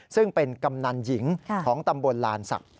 ซึ่งเป็นกำนันหญิงของตำบลลานศักดิ